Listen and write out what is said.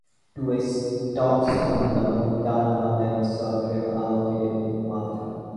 Two stops on The Montana Dinosaur Trail are located in Malta.